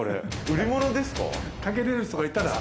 売り物ですか？